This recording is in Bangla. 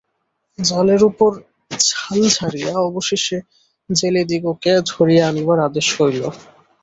জালের উপর ঝাল ঝাড়িয়া অবশেষে জেলেদিগকে ধরিয়া আনিবার আদেশ হইল।